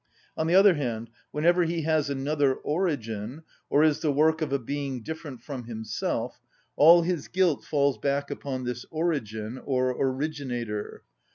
On the other hand, whenever he has another origin, or is the work of a being different from himself, all his guilt falls back upon this origin, or originator.